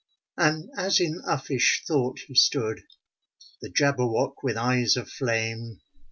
And as in uffish thought he stood, The Jabberwock with eyes of flame.